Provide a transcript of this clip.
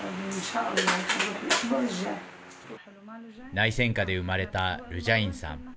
内戦下で生まれたルジャインさん。